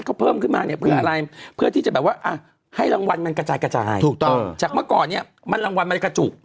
เล่มนึงมีกี่ใบ